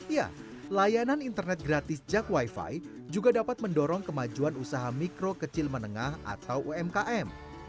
ya layanan internet gratis jak wifi juga dapat mendorong kemajuan usaha mikro kecil menengah atau umkm